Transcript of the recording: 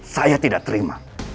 saya tidak terima